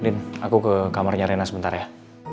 din aku ke kamarnya reyna sebentar ya